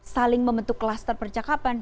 saling membentuk klaster percakapan